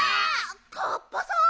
カッパさん？